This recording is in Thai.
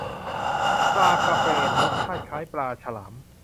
ปลากระเบน รสชาติคล้ายปลาฉลาม